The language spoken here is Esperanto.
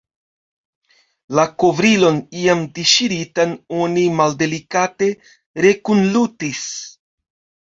La kovrilon iam deŝiritan oni maldelikate rekunlutis.